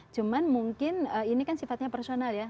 cuman mungkin ini kan sifatnya personal ya